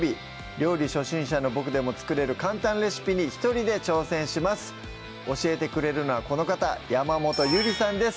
料理初心者のボクでも作れる簡単レシピに一人で挑戦します教えてくれるのはこの方山本ゆりさんです